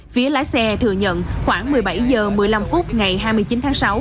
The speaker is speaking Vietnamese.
phía lái xe thừa nhận khoảng một mươi bảy h một mươi năm phút ngày hai mươi chín tháng sáu